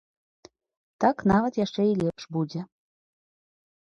Так нават яшчэ і лепш будзе.